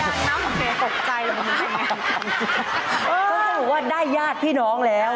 เขาบอกว่าได้ญาติพี่น้องแล้ว